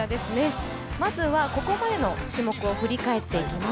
まずはここまでの種目を振り返っていきます。